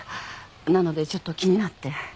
なのでちょっと気になって。